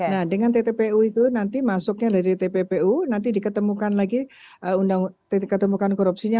nah dengan tppu itu nanti masuknya dari tppu nanti diketemukan lagi titik ketemukan korupsinya